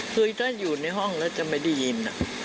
คือถ้าอยู่ในห้องแล้วจะไม่ได้ยิน